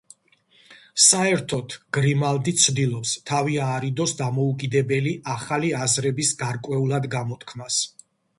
საერთოდ გრიმალდი ცდილობს თავი აარიდოს დამოუკიდებელი ახალი აზრების გარკვეულად გამოთქმას.